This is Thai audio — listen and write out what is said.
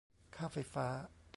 ค่าไฟฟ้า